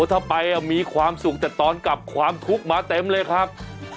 ถ้าไปมีความสุขแต่ตอนกลับความทุกข์มาเต็มเลยครับ